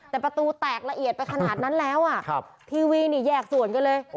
แต่ประตูแตกละเอียดไปขนาดนั้นแล้วทีวีนี่แยกส่วนกันเลย